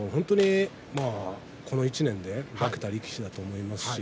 この１年で化けた力士だと思います。